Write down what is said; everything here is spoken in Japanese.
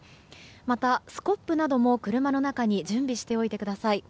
また、スコップなども車の中に準備しておいてください。